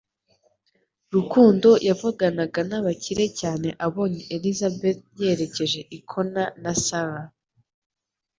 Rukundo yavuganaga nabakire cyane abonye Elisabeth yerekeje i Connor na Sarah